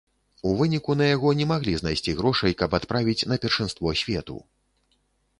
У выніку, на яго не маглі знайсці грошай, каб адправіць на першынство свету.